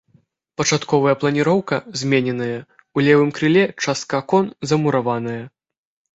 Пачатковая планіроўка змененая, у левым крыле частка акон замураваная.